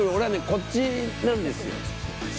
こっちなんですよ。